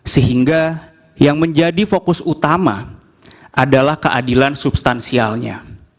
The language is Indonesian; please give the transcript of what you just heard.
sehingga yang menjadi fokus utama adalah keadilan substansialnya